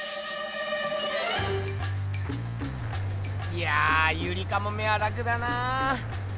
いやゆりかもめは楽だなぁ。